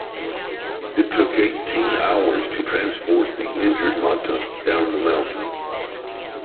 It took eighteen hours to transport the injured Mata down the mountain.